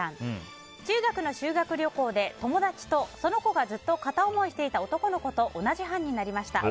中学の修学旅行で、友達とその子がずっと片思いをしていた男の子と同じ班になりました。